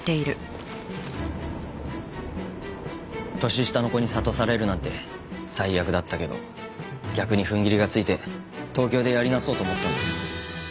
年下の子に諭されるなんて最悪だったけど逆に踏ん切りがついて東京でやり直そうと思ったんです。